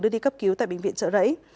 đưa đi cấp cứu tại bệnh viện trợ rẫy